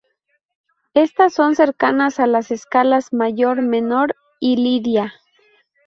Estas son cercanas a las escalas mayor, menor, y lidia.